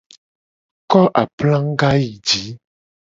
Ko aplaga yi ji :